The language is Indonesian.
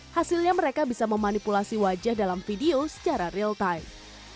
hasilnya mereka bisa memanipulasi wajah dalam video secara real time